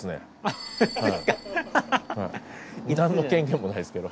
何の権限もないですけど。